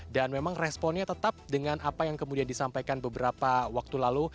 dan memang responnya tetap dengan apa yang kemudian disampaikan beberapa waktu lalu